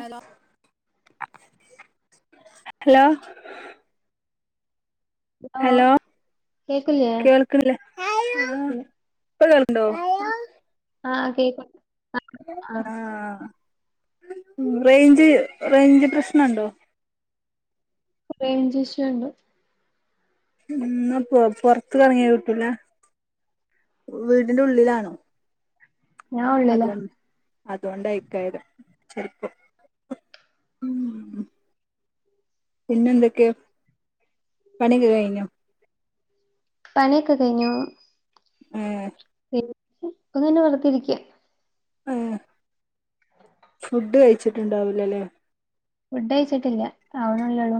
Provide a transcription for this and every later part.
Hello hello ഓ hello കേക്കില്ലേ കേൾക്കില്ലേ ആ പ്പ കേൾക് ണ്ടോ ആ ക്കേ [unintelligible] ആ റേഞ്ച് റേഞ്ച് പ്രശ്നണ്ടോ റേഞ്ച് ഇഷുണ്ട് ഉം പൊറത്ത്കറങ്ങിയ കിടുല വീടിന്റെ ഉള്ളിലാണോ ഞാൻ ഉള്ളിലാ അതൊണ്ട് അതൊണ്ടയ്ക്കാരം ചിലപ്പം പിന്നെന്തൊക്കെ പണികെ കഴിഞൊ പനിയൊക്കെ കഴിഞ്ഞു ഉം [unintelligible] വറുതിരിക്ക ഏ ഫുഡ് കഴിച്ചിട്ടുണ്ടാവില്ലല്ലേ ഫുഡ് കഴിച്ചിട്ടില്ല ആവ്ണല്ലൊള്ളൂ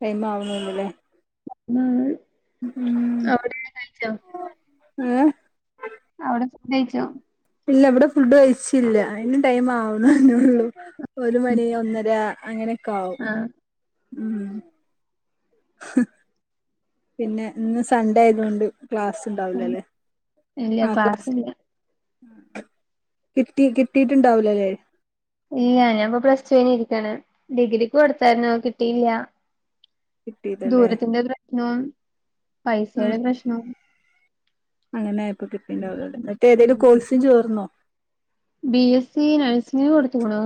ടൈം ആവുണള്ളുല്ലേ [unintelligible] ഉം അവിടെ കഴിച്ചോ [unintelligible] അവടെ ഫുഡയിചോ ഇല്ല വടെ ഫുഡ് കഴ്ച്ചില്ല അയ്ന് ടൈം ആവ്ണെന്നു ള്ളൂ ഒരു ഉം. മണി ഒന്നര അങ്ങെനെക്കവും ആ ഉം [unintelligible] പിന്നെ ഇന്ന് സൺഡേയതോണ്ട് ക്ലാസ്സ്ണ്ടാവ് ഉം. ലലേ ഇല്ല ആ ക്ലാസ് ക്ലാസ്സില്ല കിട്ടി കിട്ടീട്ട്ണ്ടാവ് ലലേ ല്ല്യാ ഞാൻപ്പൊ പ്ലെസ്റ്റുയ്നിര്ക്കാണ് ഡിഗ്രിക്ക് കൊട്ത്തായിര്ന്നു കിട്ടീല്ലാ കിട്ടിയതല്ലേ ദൂരത്തിന്റെ പ്രെശ്നും പൈസേടെ പ്രെശ്നും അങ്ങനായപ്പം കിട്ടീണ്ടാവുലലേ മറ്റേതേലും കോഴ്സിന് ചോർന്നോ ബി എസ് സി നഴ്സിങ്ങ്ന് കൊട്ത്ത്ക്ക്ണു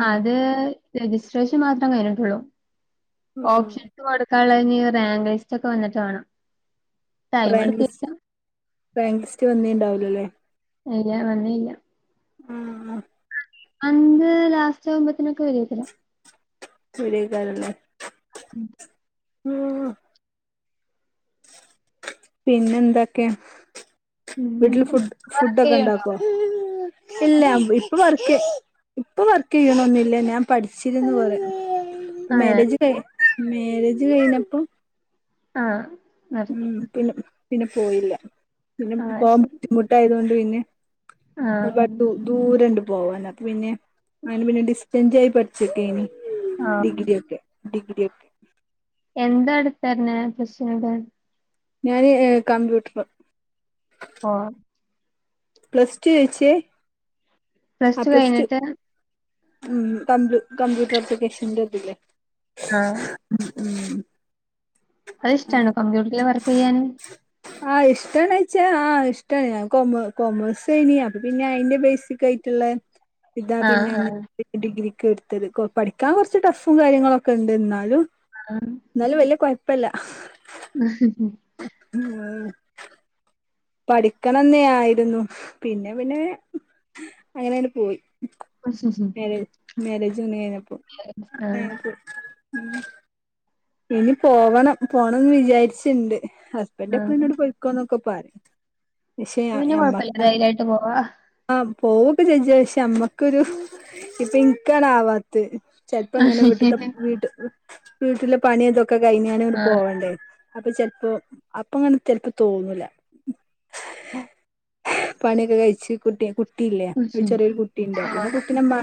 ആ അത് രജിസ്ട്രേഷൻ മാത്രം കഴിഞ്ഞ്ട്ടുള്ളൂ ഓപ്ഷൻ കൊടുക്കാൻള്ളെഞ്ഞി റേങ്ക് ലിസ്റ്റൊക്കെ വന്ന്ട്ട് വേണം ടൈം റേങ്ക് ലിസ് എടുത്തേക്കാം. റേങ്ക് ലിസ്റ്റ് വന്നീണ്ടാവുലലേ ഇല്ലാ വന്നീല്ലാ ആഹ് അന്ന് ലാസ്റ്റാവുമ്പോത്ത്നൊക്കെ വരോക്കാരം ചുരേക്കാരെല്ലേ ഉം [inaudible] പിന്നെന്തെക്കെയാ വീട്ടില് പിന്നെ ഫുഡ് വർക്ക് ഫുഡൊക്കെ ചെയ്യണ്ടോ? ണ്ടാക്കോ ഇല്ലാ ഇപ്പൊ വർക്ക് ഇപ്പൊ വർക്ക് ചെയ്യണൊന്നില്ല ഞാൻ പഠിച്ചിര്ന്ന് പറ ആഹ് മാരേജ് ട്ടെ മേരേജ് കഴ്ഞ്ഞപ്പം ആഹ് നിർത്തി ഉം പിന്നെ പിന്നെ പോയില്ല പിന്നെ ആഹ് പോവാൻ ശരി ബുദ്ധിമുട്ടായതോണ്ട് പിന്നെ ആഹ് ഒര്പാട് ദൂ ദൂരണ്ട് പോവാൻ അപ്പ പിന്നെ അയ്ന്പിന്നെ ഡിസ്റ്റൻൻ്റായി പഠിച്ചിട്ടേനി ആഹ് ഡിഗ്രിയൊക്കെ ഡിഗ്രിയൊക്കെ എന്താട്ത്തെര്ണേ വിഷയൊക്കെ ഞാന് കമ്പ്യൂട്ട്ർ ഓഹ് പ്ലെസ്ടു ജെയ്ച്ചേ ആ പ്ലസ് ടു ഉം ക കമ്പ്യൂട്ടർ അപ്ലിക്കേഷന്റെ ഇത് ല്ലേ ആഹ് ഉം ഉം അത്ഷ്ടാണോ കമ്പ്യൂട്ടർല് വർക്കെയ്യാന് ആഹ് ഇഷ്ടാണോച്ചാ ആഹ് ഇഷ്ടണ് ഞാൻ കൊമെ കൊമേഴ്സേനി അപ്പ പിന്നെ അയ്ന്റെ ബൈസികായ് ട്ട്ള്ളെ ഇതാ ആഹ് പിന്നൊന്ന് ആഹ് ഡിഗ്രിക്കെട്ത്തെത് പഠിക്കാൻ കൊറ്ച്ച് ട്ടഫും കാര്യങ്ങളൊക്കെണ്ട് ന്നാലും ആഹ് ന്നാലും വെല്ല്യ കൊഴ്പ്പല്ല [inaudible] പഠിക്കണെംന്നേ ആയിരുന്നു പിന്നെ പിന്നെ അങ്ങനേണ്ട് പോയി [unintelligible] മേരേജിന് മുന്നെയായിരുന്നപ്പോ ആഹ് കഴിഞ്ഞപ്പോ മ് ഇനി പോവണം പോണംന്ന് വിചാരിച്ച്ണ്ട് ഹസ്ബെൻ്റെപ്പളും ആഹ് ന്നോട് പയും ക്കോ ന്നൊക്കെ പറയും പക്ഷേ അപ്പൊ പിന്നെ കൊഴപ്പല്ല നമ്മക്ക ധൈര്യായിട്ട് പോവാ. ആഹ് പോവൊക്കെ ചേഞ്ചാ ക്ഷെമ്മക്കൊരു പ്പെൻകാണ് ആവാത്തെ ചെൽലപ്പോ ഇങ്ങനെ വീട്ടത്തെ ആഹ്. വീട്ട് വീട്ടിലെ പണിതൊക്കെ കഴിഞ്ഞാണ് ടെ പോവണ്ടേ അപ്പൊ ചെല്പ്പോ അപ്പങ്ങനെ ചെൽപ്പോ തോന്നുലാ പണിയൊക്കെ കഴിച്ചു കുട്ടി കുട്ടിയില്ലേ ഒരു ഉം. ചെറിയൊരു കുട്ടിയുണ്ട് പിന്നെ ആഹ്. കുട്ടിനെമ്മാ-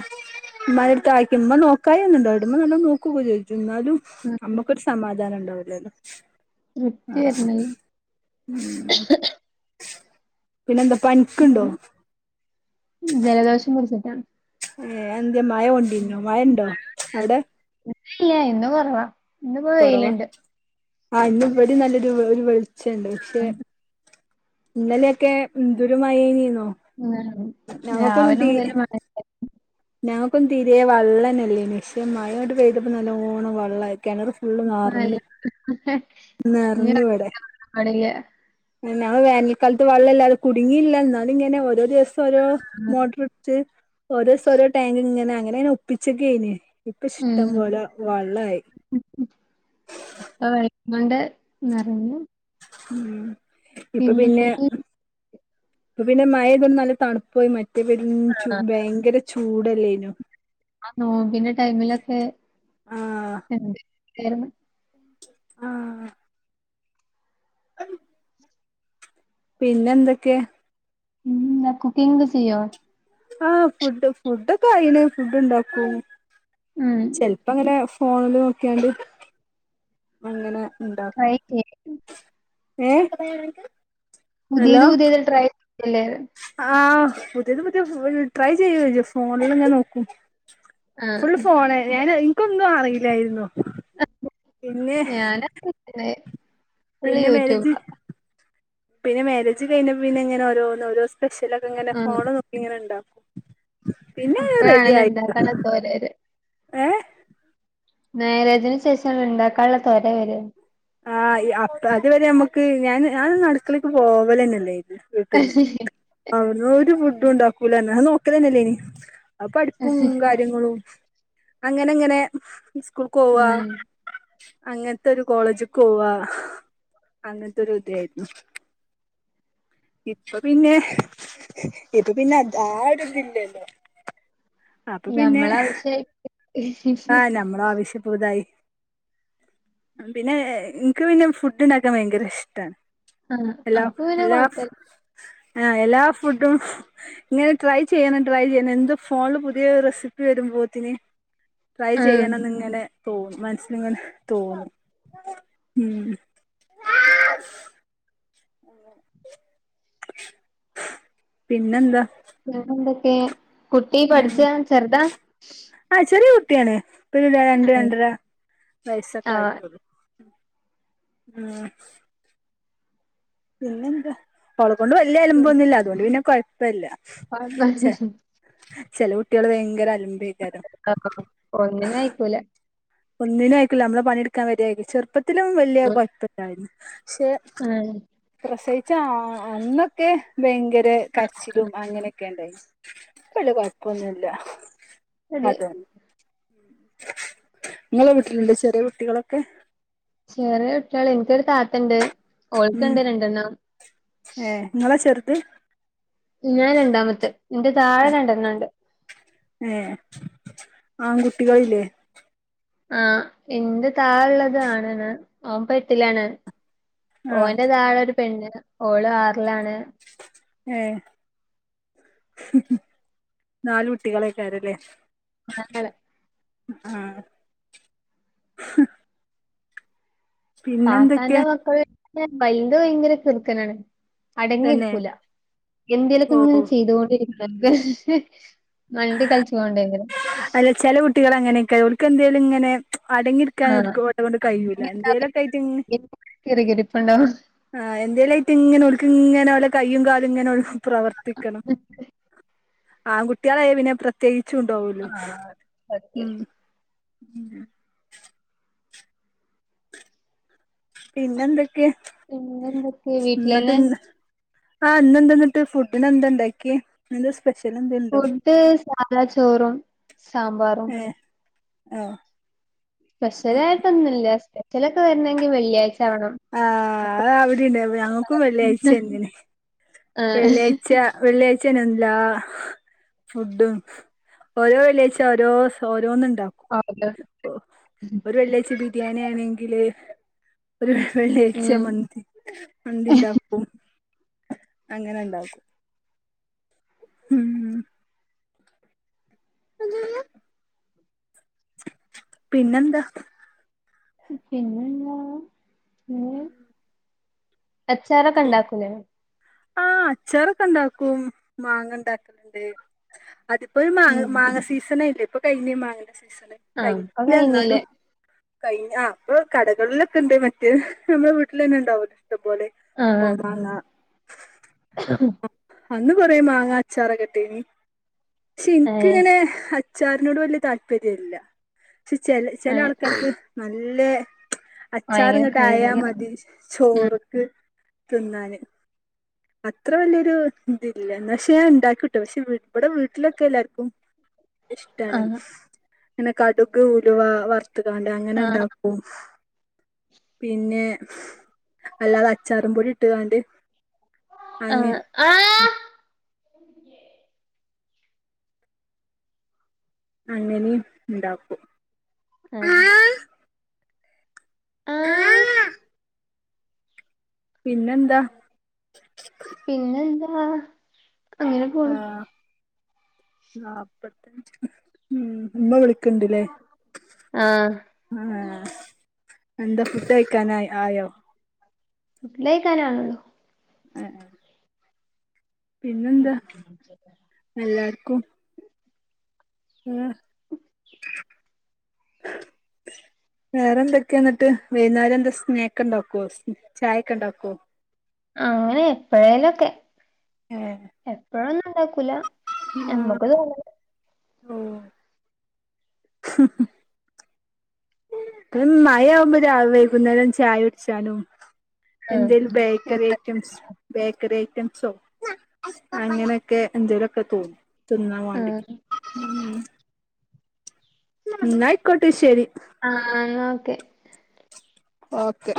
ഉമ്മൻ്റെടുത്ത് ആക്കി ഉമ്മ നോക്കായി ഒന്നുണ്ടോ ഉമ്മ നല്ലോ നോക്ക ഒക്കെ ചെയ്യും എന്നാലും ഉം അമ്മക്കൊരു സ- സമാധാനം ഉണ്ടാവൂലല്ലോ തൃപ്തി ആഹ് വരുന്നത് പിന്നെ എന്താ ഉം പനിക്ക്ണ്ടോ ജലദോഷം പിടിച്ചിട്ടാ ഏ അത് ന്ത്യ മഴ കൊണ്ടിന്നോ മഴ ഇണ്ടോ അവിടെ മനസിലായി ഇന്ന് കൊറവാ ഇന്നിപ്പോ കൊറവാ വെയിലുണ്ട്. ആഹ് ഇന്ന് ഇവടി നല്ലൊരു ഒരു വെളിച്ചണ്ട് പക്ഷെ ആഹ്. ഇന്നലെയൊക്കെ എന്തൊരു മയേനിന്നോ [unintelligible] ഞങ്ങക്കൊന്നും രാവിലെ തീ മുതല് മഴ ഞങ്ങക്കൊന്നും തിരെ വള്ളന്നെല്ലേനി പക്ഷേ മഴണ്ട് പെയ്തപ്പോ നല്ലോണം വള്ളായി കെണറ് ഫുള്ള് ഇപ്പ നിറഞ്ഞ് നല്ല നെറഞ്ഞിവിടെ ആണ്ലേ ഉം ഞങ്ങള് വേനൽക്കാലത്ത് വെള്ളല്ലതെ കുടുങ്ങിയില്ല എന്നാലും ഇങ്ങനെ ഓരോ ദിവസം ഓരോ മോട്ടർച്ച് ഓരോസം ഓരോ ടാങ്ക് ഇങ്ങനെ അങ്ങനെ അങ്ങനെ ഒപ്പിച്ചക്കെയ്നിം ഇപ്പ ഇഷ്ടം ഉം പോലെ വെള്ളായി മണ്ടെ നിറഞ്ഞും ഉം ഇപ്പൊ പിന്നി പിന്നെ [unintelligible] ഇപ്പൊ പിന്നെ മഴ പെയ്തോണ്ട് തണുപ്പും മറ്റേ പെരും ചൂ ഭയങ്കര ചൂടല്ലേയിനോ ആ നോമ്പിൻ്റെ ടൈമിലൊക്കെ ആ എന്തെക്കെയ്നു ആഹ് [unintelligible] പിന്നെന്തൊക്കെ ഉം കുക്കിംഗ് ഒക്കെ ചെയ്യോ ആഹ് ഫുഡ് ഫുഡൊക്കെ ആയിണ് ഫുഡ് ഉണ്ടാക്കും ഉം ചെലപ്പങ്ങനെ ഫോണില് നോക്കിയാണ്ട് അങ്ങനെ ഉണ്ടാക്കും ട്രൈ ചെയ്യ ഏഹ് പുതിയത് ഹലോ പുതിയത് ട്രൈ ചെയ്ല്ലേ ആഹ് പുതിയത് പുതിയ ട്രൈ ചെയ്യോ ഫോണിലിങ്ങനെ നോക്കും ഫുള്ള് ആഹ്. ഫോണ് ഞാൻ എനിക്കൊന്നും അറിയില്ലായിരുന്നു പിന്നെ ഞാനാെ [unintelligible] പിന്നെ മാരേജ് പിന്നെ മാരേജ് കഴിഞ്ഞപ്പോ പിന്നെ ഇങ്ങനെ ഓരോന്ന് ഓരോ സ്പെഷ്യലൊക്കെ ഇങ്ങനെ ആ ഫോൺ നോക്കി ഇങ്ങനെ ഇണ്ടാക്കും പിന്നങ്ങനെ റെഡി അപ്പഴാണല്ലോ ആയിട്ടോ ഇണ്ടാക്കാനുള്ള തോര വര. ഏഹ് മേരേജിന് ശേഷാണ് ഉണ്ടാക്കാനുള്ള തൊര വര ആഹ് അപ്പ അതുവരെ നമ്മുക്ക് ഞാൻ ഞാനൊന്നും അടുക്കളേക്ക് പോവലന്നെല്ലേര്ന്ന് വീട്ട്ന്ന് അവ്ട്ന്നെരു ഫുഡും ഇണ്ടാക്കൂല ഞാൻ നോക്കലന്നെല്ലനി ആ പഠിപ്പും കാര്യങ്ങളും അങ്ങനെ അങ്ങനെ സ്കൂൾക്കോവാ ഉം അങ്ങനത്തെ ഒരു കോളേജ് കോവ അങ്ങനത്തെരു ഇതായിരുന്നു ഇപ്പൊ പിന്നെ ഇപ്പ പിന്നെ ആ ഒരു ഇതില്ലല്ലോ അപ്പൊ പിന്നെ നമ്മളാവശ്യായിട്ട് ആഹ് നമ്മ ആവശ്യപ്പതായി പിന്നെ ഏഹ് ഇൻക്ക് പിന്നെ ഫുഡ് ഉണ്ടാക്കാൻ ഭയങ്കര ഇഷ്ടാണ് ആ എല്ലാ അപ്പൊ പിന്നെ എല്ലാ കൊഴപ്പല്ല. ആഹ് എല്ലാ ഫുഡും ഇങ്ങനെ ട്രൈ ചെയ്യണം ട്രൈ ചെയ്യണം എന്ത് ഫോണില് പുതിയ റെസിപ്പി വരുമ്പോത്തിന് ട്രൈ ആ ചെയ്യണന്ന് ഇങ്ങനെ തോന്നും മനസ്സിലിങ്ങനെ തോന്നും ഉം അതെ പിന്നെന്താ വേറെ എന്തൊക്കെ കുട്ടി പഠിച്ച ചെറുതാ ആഹ് ചെറിയ കുട്ടിയാണ് ഇപ്പ ഇതാ രണ്ട് ഉം. രണ്ടര വയസ്സൊക്കെ ആ ആയിട്ടുള്ളൂ ആഹ് പിന്നെ എന്താ ഓളെ കൊണ്ട് വലിയ പിന്നെ അലമ്പൊന്നുല്ല അതുകൊണ്ട് പിന്നെ കൊഴപ്പല്ല കൊഴപ്പ ചെ ചെലൊട്ട്യള് ഭയങ്കര അലമ്പേകാരം ഒന്നിനും അയിക്കൂല ഒന്നിനും അയിക്കൂല്ല നമ്മളെ പണിയെടുക്കാൻ വരരി ചെറുപ്പത്തിലും വല്യ കുഴപ്പല്ലായിരുന്നു പക്ഷെ ആഹ് പ്രസവിച്ച അന്നൊക്കെ ഭയങ്കര കര്ച്ചിലും അങ്ങനൊ പ്പൊല്യ കൊഴപ്പൊന്നുല്ല അട് ആ ങ്ങളെ വീട്ടിലുണ്ട് ചെറിയെ കുട്ടികളൊക്കെ ചെറ്യേ കുട്ട്യള് എനിക്കൊരു താത്തണ്ട് ഓൾക്കുണ്ട് രണ്ടെണ്ണം ഏഹ് ങ്ങളാ ചെറുത് ഞാൻ രണ്ടാമത്തെ എന്റെ താഴെ രണ്ടെണ്ണംണ്ട് ഏഹ് ആൺകുട്ടികള്ല്ലേ ആഹ് എന്റെ താഴള്ളത് ആണാണ് ഓൻ പട്ടിലാണ് ആ ഓന്റെ തായെ ഒരു പെണ്ണ് ഓള് ആർലാണ് ഏഹ് ന്നാല് കുട്ടികളെയ്ക്കാരല്ലേ [unintelligible] ആഹ് പിന്നെന്തൊക്കെ താത്താന്റെ മക്കള് വൽത് ഭയങ്കര കിർകനാണ് തന്നെ അടങ്ങിയിരിക്കൂല ഓ എന്തേലൊക്കെന്ന് ചെയ്തൊണ്ടിരിക് വെർതെ മണ്ടി കൾച്ചി [unintelligible] അല്ല ചെല കുട്ടികൾ അങ്ങനെയൊക്കെ ഓൽക്കെന്തെലും ഇങ്ങനെ അടങ്ങി കാട് ആഹ് കൊട്ടണ്ട് കഴൂല എന്തേലൊക്കെയിട്ട്ങ്ങനെ കിറുകിറുപ്പുണ്ടാവും. ആഹ് എന്തേലായ്ട്ട് ഇങ്ങനെ ഓൽക് ഇങ്ങനെ ഓലെ കയ്യും കാലും ഇങ്ങനെ [unintelligible] പ്രവർത്തിക്കണം ആൺകുട്ട്യളായ പിനെ പ്രത്യേകിച്ച്ണ്ടോ ലും ആഹ് സത്യം. ഉം പിന്നെന്തൊക്കെ പിന്നെ എന്തൊക്കെ വീട്ടിലെന്നെ ആഹ് ഇന്നെന്തന്നട്ട് ഫുഡിന് എന്ത ഇണ്ടാക്ക്യേ ന്നെന്തസ് സ്പെഷലെന്തേ ഫുഡ് സാദാ ചോറും സാമ്പാറും ഏഹ് ആഹ് സ്പെഷ്യലായ്ട്ടൊന്നുല്ല സ്പെഷ്യലൊക്കെ വരണെങ്കിൽ വെള്ളിയാഴ്ച ആവണം അപ്പൊ ആഹ് അഹ് അവിടീണ്ട് ഞങ്ങക്കും വെള്ളിയാഴ്ചങ്ങനെ ആഹ് വെള്ളിയാഴ്ച്ച വെള്ളിയാഴ്ച്ചനല്ലാ ഫുഡും ഓരോ വെള്ളിയായ്ച്ച ഓരോസ് ഓരോന്ന്ണ്ടാ ഓഹ് ഒരു വെള്ളിയാഴ്ച ബിരിയാണി ആണെങ്കില് ഒരു വെള്ളിയഴിച്ച ഉം മന്തി മന്തിണ്ടാക്കും അങ്ങനെണ്ടാക്കും സല്ലില്ല പിന്നെന്താ പിന്നെന്താ ഉം അച്ചാറൊക്കെ ണ്ടാക്കൂലേ ആഹ് അച്ചാറൊക്കെ ഇണ്ടാക്കും മാങ്ങ ഉണ്ടാക്കല്ണ്ട് അതിപ്പോയ് മാങ്ങ, ഉം മാങ്ങ സീസണ് ആയില്ലെ. ഇപ്പൊ കഴിഞ്ഞ് മാങ്ങ ൻ്റെ സീസൺ. ആഹ് അപ്പൊ കയ്ഞ്ഞിട്ടില്ല ന്നാലും. കഴിഞ്ഞില്ലേ കൈഞ്ഞ്, ആ അപ്പൊ കടകളിലൊക്കെണ്ട്. മറ്റേ നമ്മളെ വീട്ടിലന്നെ ഉണ്ടാവുല്ലോ ഇഷ്ടംപോലെ കോമാങ്ങ. ഹ് ഹ് അന്ന് കൊറേ മാങ്ങാ അച്ചാറൊക്കെട്ടീനി. ക്ഷെ ഏഹ് ഇൻക്ക്ങ്ങനെ അച്ചാറിനോട് വല്യ താല്പര്യ ഇല്ല. ക്ഷെ ചെല, ചെല ഏഹ് ആൾക്കാർക്ക് നല്ലെ ഭയങ്കര അച്ചാറ്ങ്ങട്ട് ആയാ ക്രേസിയേക്കാരം മതി. ഉം ചോറ്ക്ക് തിന്നാന്. അത്ര വല്യോരു ഇതില്ല. ന്ന പക്ഷെ ഞാൻ ഉണ്ടാക്കു ട്ടോ. പക്ഷെ വടെ വീട്ടിലൊക്കെ എല്ലാർക്കും ഇഷ്ടാണ്. ആഹ് ങ്ങനെ കടുക്, ഉലുവ, വർ ത്ത് കാണ്ട്, ആഹ് അങ്ങനെണ്ടാക്കും പിന്നെ, അല്ലാതെ അച്ചാറുംപൊടി ഇട്ട് കാണ്ട് അഹ് ആഹ്... അങ്ങനിം ണ്ടാക്കും. എഹ് ആഹ്‌... പിന്നെന്താ? പിന്നെന്താ..? അങ്ങനെ ആ പോണ് നാപ്പത്തഞ്ച് ഉം ഉമ്മ വിളിക്ക്ണ്ട്ല്ലേ ആഹ് ആഹ്... എന്താ ഫുഡ് കഴിക്കാന ആയോ? ഫുഡ് കഴിക്കാൻ ആവ്ണു ളളു. ഏഹ് പിന്നെന്താ? എല്ലാർക്കും. ഏഹ് [inaudible] വേറെ എന്തൊക്കെ ന്നട്ട്? വൈന്നാര എന്താ സ്നാക്ക് ണ്ടാക്കുവോ? ചായ ക്കെണ്ടാക്കുവോ? അങ്ങനെ എപ്പോഴേലൊക്കെ. ഏഹ് എപ്പഴൊന്നുംണ്ടാക്കൂല. ഞമ്മക്ക് തോന്നല ഹ് ഹ്.. മഴയാവുമ്പോ രാ വൈകുന്നേരം ചായൊട്ച്ചാനും. ആഹ് എന്തേലും ബേക്കറി ഐറ്റംസ്. ബേക്കറി ഐറ്റംസോ, അങ്ങനെയൊക്കെ, എന്തേലൊക്കെ തോന്നും തിന്നാ വാണ്ടി. ആഹ് ന്നാ ഐക്കോട്ടെ ശരി. ആഹ്... ആ.. ഓക്കെ ഓക്കെ